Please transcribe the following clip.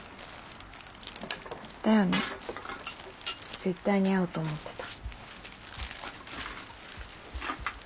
だよね絶対に合うと思ってた。